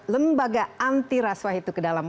lembaga anti raswa itu ke dalam